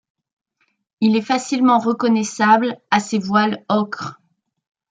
Il est facilement reconnaissable à ses voiles ocre.